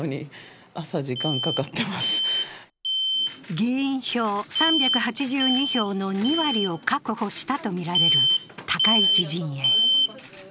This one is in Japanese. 議員票３８２票の２割を確保したとみられる高市陣営。